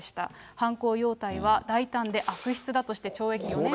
犯行様態は大胆で悪質だとして、懲役４年６か月を。